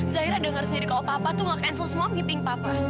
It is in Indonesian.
zaira dengar sendiri kalau papa tuh gak cancel semua meeting papa